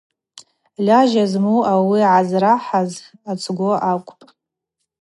Льажьа зму ауи гӏазрахӏаз ацгвы акӏвпӏ.